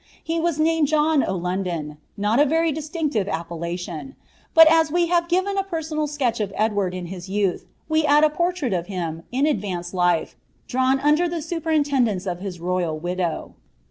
He was itsmrd Jfta o' London, (not a very diatinciive appellntioo ) but a» we have fim a persona] sketch of Eijward in his youth, we add a portmit of hiM, ia advHnced life, drawn tinder the superintendence of his royal widow.